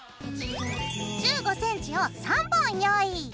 １５ｃｍを３本用意。